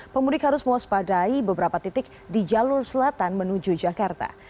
pemudik harus mewaspadai beberapa titik di jalur selatan menuju jakarta